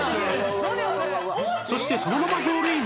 そしてそのままゴールイン